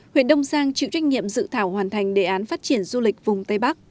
huyện đông giang chịu trách nhiệm dự thảo hoàn thành đề án phát triển du lịch vùng tây bắc